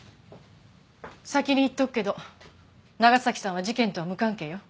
先に言っておくけど長崎さんは事件とは無関係よ。